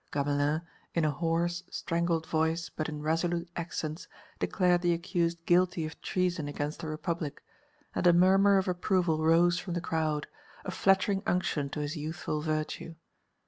Gamelin, in a hoarse, strangled voice, but in resolute accents, declared the accused guilty of treason against the Republic, and a murmur of approval rose from the crowd, a flattering unction to his youthful virtue.